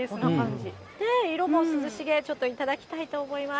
色も涼しげ、ちょっといただきたいと思います。